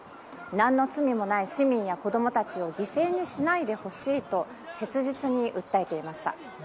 何の罪もない市民や子供たちを犠牲にしないでほしいと切実に訴えていました。